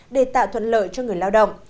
để tạo thuận lợi cho người lao động